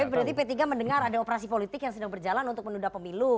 oke berarti p tiga mendengar ada operasi politik yang sedang berjalan untuk menunda pemilu